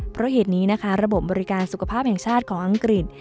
เพราะเหตุนี้นะคะระบบบริการสุขภาพแห่งชาติของอังกฤษ